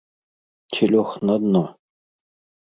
Ці лёг на дно?